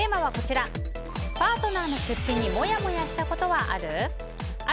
テーマはパートナーの出費にモヤモヤしたことはある？